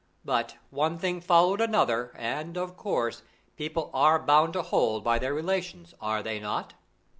But one thing followed another, and, of course, people are bound to hold by their relations, are they not?"